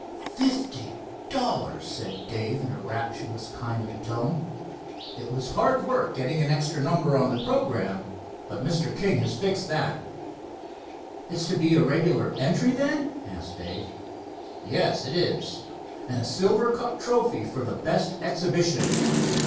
"Fifty dollars!" said Dave in a rapturous kind of a tone. "It was hard work getting an extra number on the programme, but Mr. King has fixed that." "It's to be a regular entry, then?" asked Dave. "Yes, it is, and a silver cup trophy for the best exhibition.